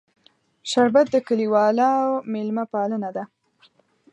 شربت د کلیوالو میلمهپالنه ده